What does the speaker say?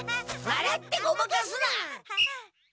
わらってごまかすな！